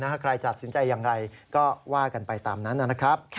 ใครจะสนใจอย่างไรก็ว่ากันไปตามนั้นนะครับ